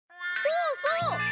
そうそう。